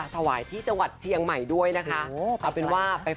ขอขอเดียวให้เรามีความสุข